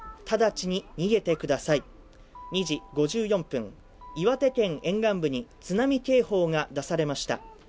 直ちに逃げてください、２時５４分岩手県沿岸部に津波警報が出されました。